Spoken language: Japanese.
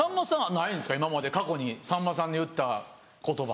今まで過去にさんまさんの言った言葉。